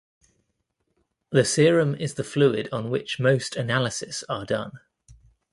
The serum is the fluid on which most analysis are done.